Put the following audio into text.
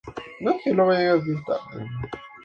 Se puede consumir todo junto o en dos platos.